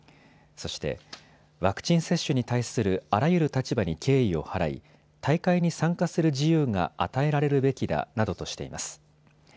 そして、ワクチン接種に対するあらゆる立場に敬意を払い、大会に参加する自由が与えられるべきだなどとしています。